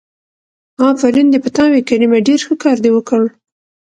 آفرين دې په تا وي کريمه ډېر ښه کار دې وکړ.